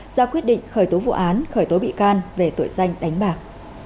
ra quyết định khởi tố vụ án khởi tố bị can về tội danh đánh bạc